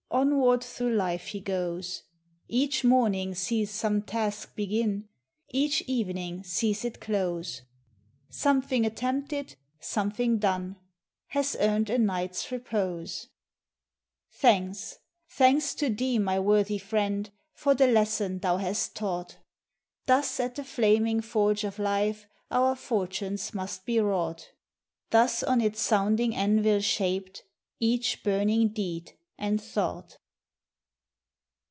Onward through life he goes; Each morning sees some task l>egin, Each evening sees it close; Something attempted, something done, Has earned a night's repose. 330 POEMS OF HOME Thanks, thanks to thee, my worthy friend, For the lesson thou hast taught ! Thus at the flaming forge of life Our fortunes must he wrought; Thus on its sounding anvil shaped Each burning deed and thought!